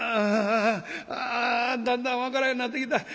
ああだんだん分からんようになってきた。